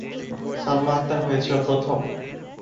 সালমা আক্তার হয়েছিল প্রথম।